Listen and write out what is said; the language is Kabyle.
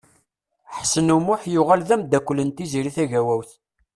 Ḥsen U Muḥ yuɣal d amdakel n Tiziri Tagawawt.